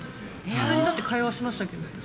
普通にだって、会話しましたけど、私。